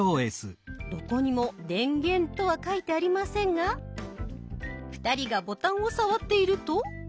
どこにも「電源」とは書いてありませんが２人がボタンを触っていると。